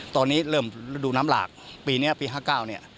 ตอนนี้เริ่มรูดูน้ำหลากปีนี้ปี๕๙